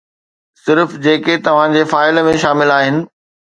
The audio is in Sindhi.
صرف جيڪي توهان جي فائل ۾ شامل آهن.